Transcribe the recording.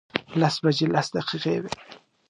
لس بجې لس دقیقې وې.